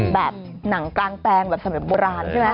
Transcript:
แบบหนังกลางแปลงกับเมืองกันดังทุน